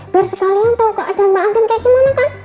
biar sekalian tau keadaan mbak andin kayak gimana kan